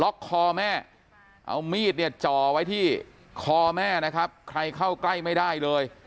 ล็อคคอแม่เอามีดเจาะไว้ที่คอแม่ใครเข้าใกล้ไม่ได้เลย